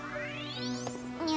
にゃ。